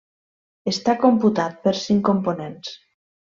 Està computat per cinc components.